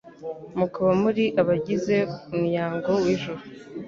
mukaba muri abagize unnu-yango w'ijuru.